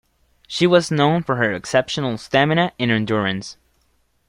She was known for her exceptional stamina and endurance.